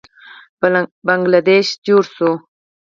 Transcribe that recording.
بنګله دیش جوړ شو.